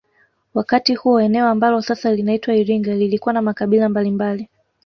Wakati huo eneo ambalo sasa linaitwa Iringa lilikuwa na makabila mbalimbali